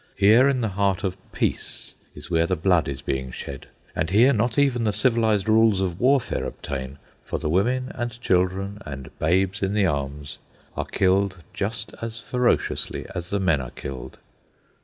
Here, in the heart of peace, is where the blood is being shed; and here not even the civilised rules of warfare obtain, for the women and children and babes in the arms are killed just as ferociously as the men are killed.